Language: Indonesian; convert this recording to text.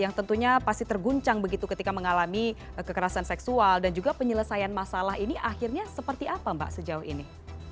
yang tentunya pasti terguncang begitu ketika mengalami kekerasan seksual dan juga penyelesaian masalah ini akhirnya seperti apa mbak sejauh ini